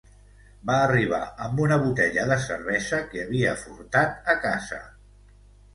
Va arribar amb una botella de cervesa que havia furtat a casa.